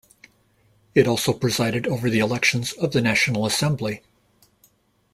It also presided over the elections of the National Assembly.